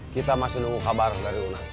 kita masih nunggu kabar dari una